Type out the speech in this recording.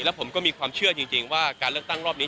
แล้วผมก็มีความเชื่อจริงว่าการเลือกตั้งรอบนี้